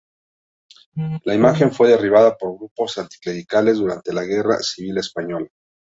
La imagen fue derribada por grupos anticlericales durante la Guerra Civil Española.